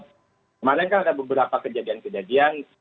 kemarin kan ada beberapa kejadian kejadian